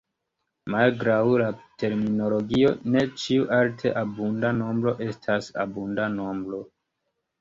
Malgraŭ la terminologio, ne ĉiu alte abunda nombro estas abunda nombro.